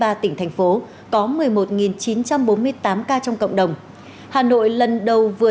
bản tin dịch covid một mươi chín cho thấy tỉ hiệp dịchii đồng thời một năm rồi